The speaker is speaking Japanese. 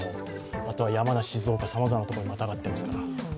あとは山梨、静岡さまざまなところにまたがってますから。